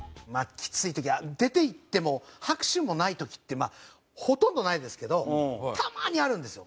きつい時は出て行っても拍手もない時ってほとんどないんですけどたまにあるんですよ